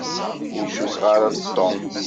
Ur cukkeɣ ara d Tom.